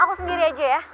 aku sendiri aja ya